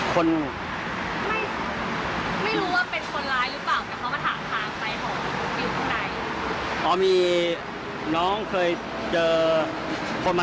ก็เลยบอกว่าให้ตรงเข้าไปถือกลางใต้